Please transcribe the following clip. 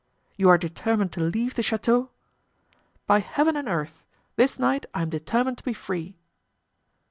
"You are determined to leave the chateau?" "By Heaven and earth! This night I am determined to be free."